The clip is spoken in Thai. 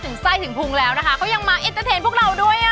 ไส้ถึงพุงแล้วนะคะเขายังมาเอ็กเตอร์เทนพวกเราด้วยอ่ะ